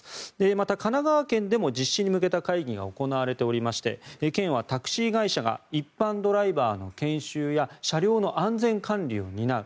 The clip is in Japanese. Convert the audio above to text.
また神奈川県でも実施に向けた会議が行われておりまして県はタクシー会社が一般ドライバーの研修や車両の安全管理を担う。